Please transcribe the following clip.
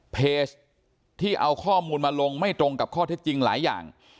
เพจที่เอาข้อมูลมาลงไม่ตรงกับข้อเท็จจริงหลายอย่าง